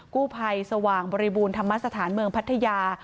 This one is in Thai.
กู้ภัยสว่างบริบูรณธรรมสถานเมืองพัทยา